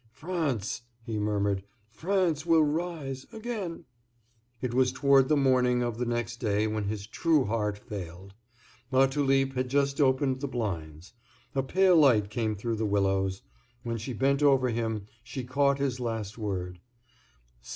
"France," he murmured, "France will rise—again." It was toward the morning of the next day when his true heart failed. Latulipe had just opened the blinds. A pale light came through the willows. When she bent over him she caught his last word.